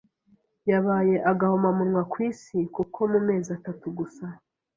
yabaye agahomamunwa ku isi kuko mu mezi atatu gusa